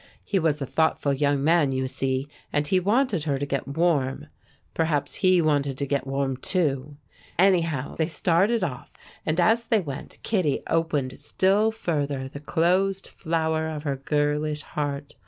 He was a thoughtful young man, you see, and he wanted her to get warm. Perhaps he wanted to get warm, too. Anyhow, they started off, and as they went, Kittie opened still further the closed flower of her girlish heart.